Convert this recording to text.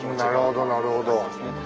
なるほどなるほど。